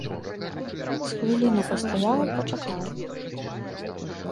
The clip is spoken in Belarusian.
З хвіліну пастаяў, пачакаў.